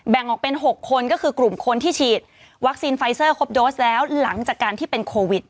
แบ่งออกเป็น๖คนก็คือกลุ่มคนที่ฉีดวัคซีนไฟเซอร์ครบโดสแล้วหลังจากการที่เป็นโควิด